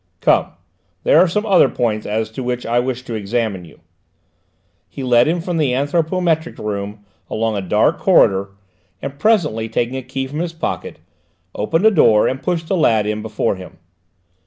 "Come: there are some other points as to which I wish to examine you." He led him from the anthropometric room along a dark corridor, and presently taking a key from his pocket, opened a door and pushed the lad in before him.